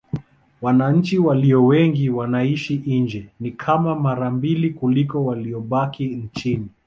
Wananchi walio wengi wanaishi nje: ni kama mara mbili kuliko waliobaki nchini.